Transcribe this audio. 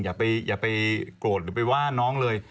อย่าไปโกรธหรือไปว่าน้องเลย